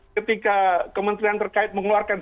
ketika kementerian terkait mengeluarkan